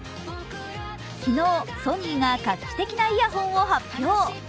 昨日、ソニーが画期的なイヤホンを発表。